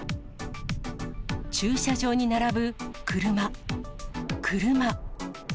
駐車場に並ぶ車、車。